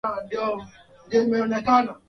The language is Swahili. hususan kwa nchi za afrika kuna kipi cha kujifunza